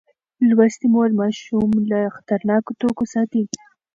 لوستې مور ماشوم له خطرناکو توکو ساتي.